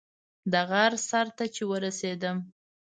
د غره سر ته چې ورسېدم.